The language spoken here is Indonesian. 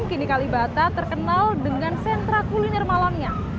kini kalibata terkenal dengan sentra kuliner malamnya